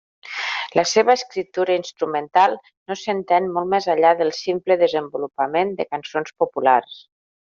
La seva escriptura instrumental no s'estén molt més enllà del simple desenvolupament de cançons populars.